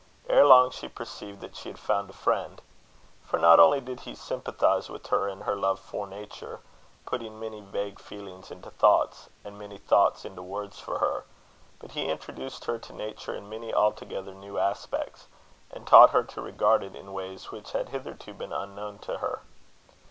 Ere long she perceived that she had found a friend; for not only did he sympathize with her in her love for nature, putting many vague feelings into thoughts, and many thoughts into words for her, but he introduced her to nature in many altogether new aspects, and taught her to regard it in ways which had hitherto been unknown to her.